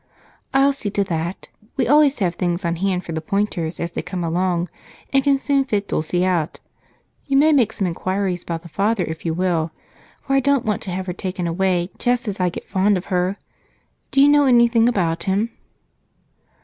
"I'll see to that. We always have things on hand for the Pointers as they come along and can soon fit Dulce out. You may make some inquiries about the father if you will, for I don't want to have her taken away just as I get fond of her. Do you know anything about him?"